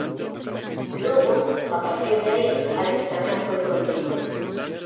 Logo, a partir de aí, "a dedicación foi continua".